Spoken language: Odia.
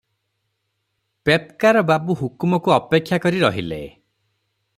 ପେପ୍କାର ବାବୁ ହୁକୁମକୁ ଅପେକ୍ଷା କରି ରହିଲେ ।